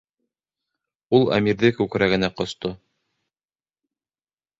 Ул Әмирҙе күкрәгенә ҡосто.